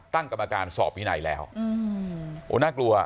ตั้งกรรมการสอบวินัยแล้วโอ้น่ากลัว